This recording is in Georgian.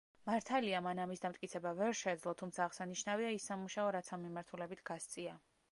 მართალია, მან ამის დამტკიცება ვერ შეძლო, თუმცა, აღსანიშნავია ის სამუშაო, რაც ამ მიმართულებით გასწია.